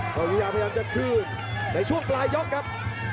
บองอีวิยาพยายามจะขึ้นในช่วงปลายยกครับ